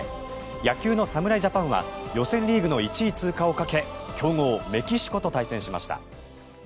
野球の侍ジャパンは予選リーグの１位通過をかけ強豪メキシコと対戦しました。